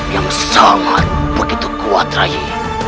yang sangat begitu kuat rai